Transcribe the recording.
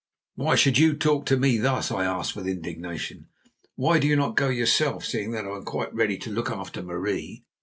"Why should you talk to me thus?" I asked with indignation. "Why do you not go yourself, seeing that I am quite ready to look after Marie?"